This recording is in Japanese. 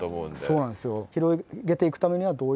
そうなんですよ。